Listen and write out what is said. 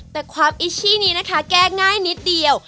แต่ความอิชชี่นี้นะคะแก้ง่ายนิดเดียว